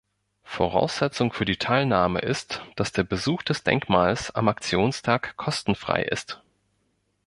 Voraussetzung für die Teilnahme ist, dass der Besuch des Denkmals am Aktionstag kostenfrei ist.